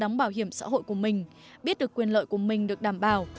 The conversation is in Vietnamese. đóng bảo hiểm xã hội của mình biết được quyền lợi của mình được đảm bảo